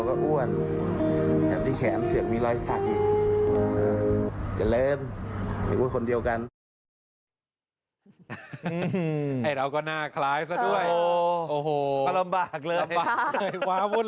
ก็ถามว่าใช่กับนั่นมั้ยใช่กับนั้นหรอเปล่า